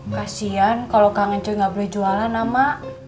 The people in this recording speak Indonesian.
kasian kalau kangen cuy gak boleh jualan ama